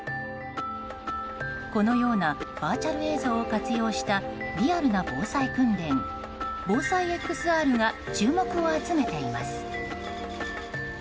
このようなバーチャル映像を活用したリアルな防災訓練、防災ＸＲが注目を集めています。